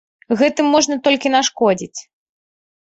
Гэтым можна толькі нашкодзіць.